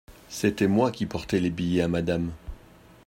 C’était moi qui portais les billets à Madame.